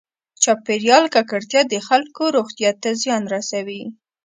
چاپېریال ککړتیا د خلکو روغتیا ته زیان رسوي.